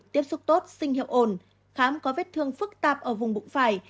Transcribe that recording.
tiếp xúc tốt sinh hiệu ổn khám có vết thương phức tạp ở vùng bụng phải